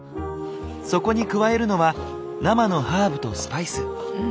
そこに加えるのは生のハーブとスパイス。